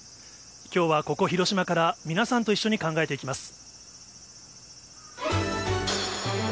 きょうはここ、広島から皆さんと一緒に考えていきます。